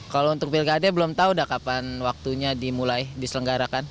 kalau untuk pilkada belum tahu dah kapan waktunya dimulai diselenggarakan